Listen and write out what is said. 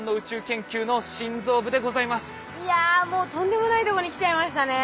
いやもうとんでもないとこに来ちゃいましたね。